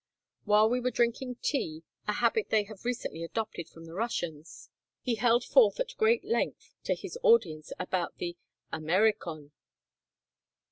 While we were drinking tea, a habit they have recently adopted from the Russians, he held forth at great length to his audience about the Amerikon.